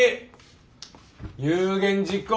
有言実行！